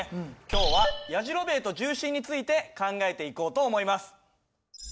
今日はやじろべえと重心について考えていこうと思います。